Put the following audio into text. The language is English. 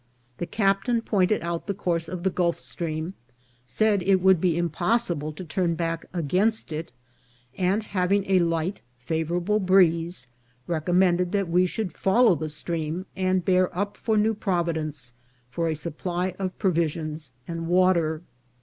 The captain pointed out the course of the Gulf Stream, sajd it would be impossible to turn back against it, and, having a light, favourable breeze, recommended that we should follow the stream, and bear up for New Providence for a supply of provisions and water.